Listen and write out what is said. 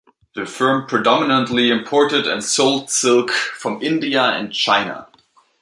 The firm predominantly imported and sold silk from India and China.